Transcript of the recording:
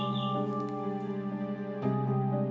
bukannya pak pak